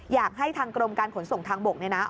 อยากให้ทางกรมการขนส่งทางบกเนี่ยนะ